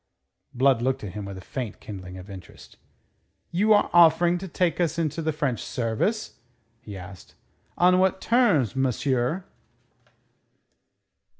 Blood looked at him with a faint kindling of interest. "You are offering to take us into the French service?" he asked. "On what terms, monsieur?"